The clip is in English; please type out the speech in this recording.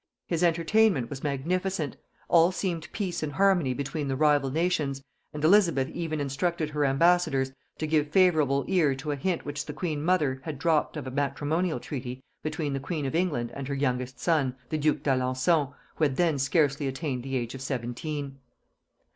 His entertainment was magnificent; all seemed peace and harmony between the rival nations; and Elizabeth even instructed her ambassadors to give favorable ear to a hint which the queen mother had dropped of a matrimonial treaty between the queen of England and her youngest son, the duke d'Alençon, who had then scarcely attained the age of seventeen.